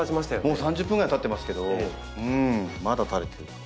もう３０分ぐらいたってますけどまだたれてる。